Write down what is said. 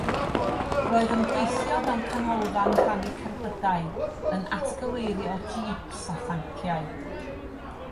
Roedd yn gweithio mewn canolfan rhannu cerbydau, yn atgyweirio jeeps a thanciau.